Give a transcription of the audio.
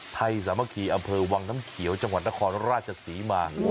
สามัคคีอำเภอวังน้ำเขียวจังหวัดนครราชศรีมา